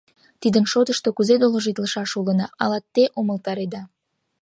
Тидын шотышто кузе доложитлышаш улына, ала те умылтареда?